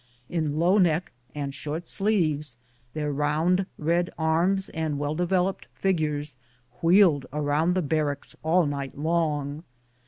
In low neck and short sleeves, their round, red arms and well developed figures wheeled around the barracks all night long.